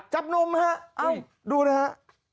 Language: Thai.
จับหนุ่มฮะดูเลยฮะ